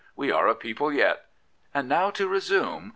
We are a people yet. ... And now to resume.